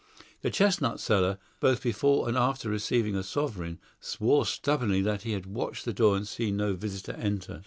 The chestnut seller, both before and after receiving a sovereign, swore stubbornly that he had watched the door and seen no visitor enter.